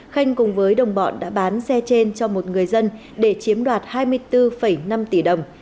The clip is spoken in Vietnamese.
khanh cùng với đồng bọn đã bán xe trên cho một người dân để chiếm đoạt hai mươi bốn năm tỷ đồng